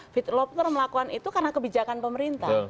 fidlotter melakukan itu karena kebijakan pemerintah